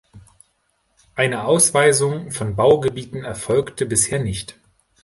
Eine Ausweisung von Baugebieten erfolgte bisher nicht.